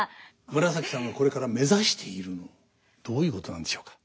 紫さんがこれから目指しているのどういうことなんでしょうか？